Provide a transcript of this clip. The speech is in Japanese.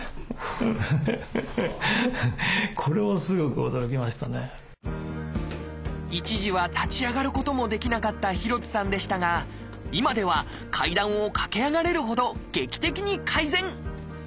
すると一時は立ち上がることもできなかった廣津さんでしたが今では階段を駆け上がれるほど劇的に改善！